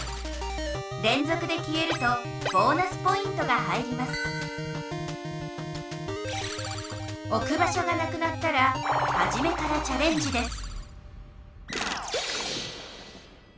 れんぞくで消えるとボーナスポイントが入りますおく場所がなくなったらはじめからチャレンジです